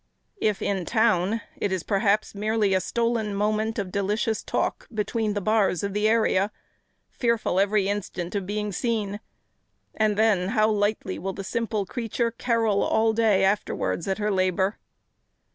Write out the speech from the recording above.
If in town, it is perhaps merely a stolen moment of delicious talk between the bars of the area, fearful every instant of being seen; and then, how lightly will the simple creature carol all day afterwards at her labour!